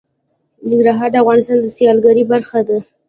ننګرهار د افغانستان د سیلګرۍ برخه ده.